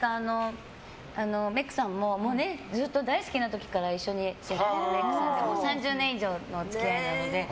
メイクさんも、ずっと「ＤＡＩＳＵＫＩ！」の時から一緒にやってるメイクさんで３０年以上の付き合いなので。